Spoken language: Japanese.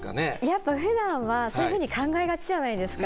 やっぱ普段はそういうふうに考えがちじゃないですか。